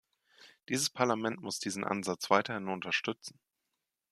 Dieses Parlament muss diesen Ansatz weiterhin unterstützen.